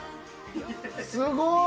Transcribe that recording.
すごい！